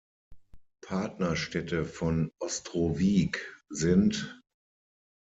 Partnerstädte von Ostrowiec sind